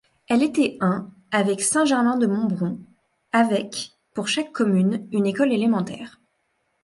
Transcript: Elle était un avec Saint-Germain-de-Montbron, avec pour chaque commune une école élémentaire.